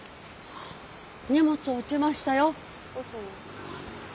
荷物落ちましたよ。